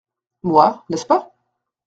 Moi, n’est-ce pas ?…